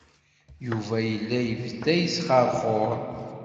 Yuba yella yebda yesxeṛxuṛ.